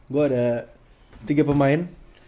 gua ada tiga pemain